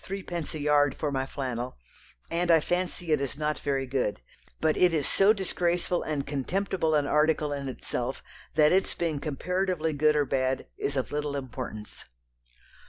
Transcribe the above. _ 3_d._ a yard for my flannel, and I fancy it is not very good, but it is so disgraceful and contemptible an article in itself that its being comparatively good or bad is of little importance."